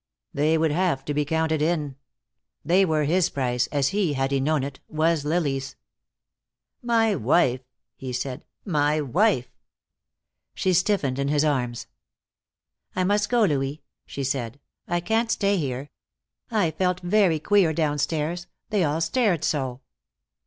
They would have to be counted in; they were his price, as he, had he known it, was Lily's. "My wife!" he said. "My wife." She stiffened in his arms. "I must go, Louis," she said. "I can't stay here. I felt very queer downstairs. They all stared so."